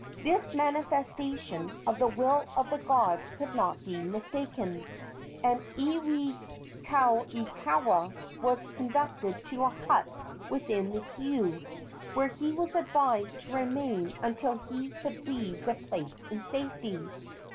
This manifestation of the will of the gods could not be mistaken, and Iwikauikaua was conducted to a hut within the heiau, where he was advised to remain until he could leave the place in safety.